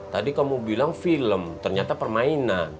tadi kamu bilang film ternyata permainan